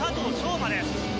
馬です。